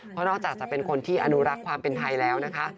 เพราะนอกจากจะเป็นคนที่อนุรักษ์ความเป็นไทยแล้วนะคะ